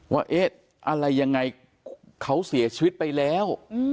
ว่าเอ๊ะอะไรยังไงเขาเสียชีวิตไปแล้ว